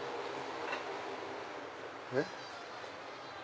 えっ？